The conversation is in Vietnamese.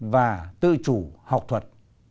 và tự chủ học thuật